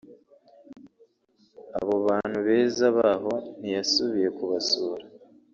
abo bantu beza baho ntiyasubiye kubasura